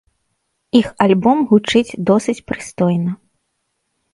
Іх альбом гучыць досыць прыстойна.